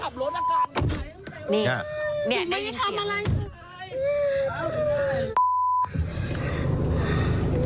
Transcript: พี่ใจเย็นพ่อ